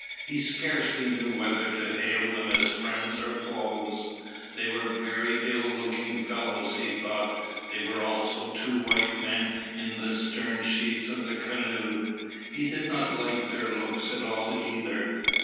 He scarcely knew whether to hail them as friends or foes. They were very ill looking fellows he thought. There were also two white men in the stern sheets of the canoe. He did not like their looks at all either.